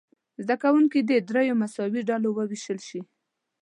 زده کوونکي دې دریو مساوي ډلو وویشل شي.